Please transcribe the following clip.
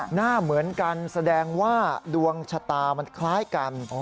หน้าเหมือนกันแสดงว่าดวงชะตามันคล้ายกัน